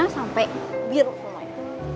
sampe biru semuanya